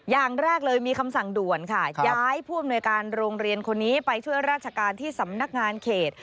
อย่างแรกเลยมีคำสั่งด่วนค่ะย้ายผู้อำนวยการโรงเรียนคนนี้ไปช่วยราชการที่สำนักงานเขต